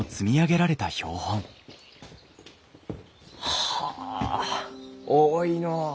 はあ多いのう。